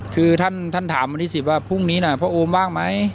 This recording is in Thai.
คือท่านถามวันที่๑๐ว่าพรุ่งนี้นะพ่อโอมว่างไหม